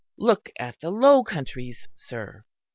Look at the Low Countries, sir."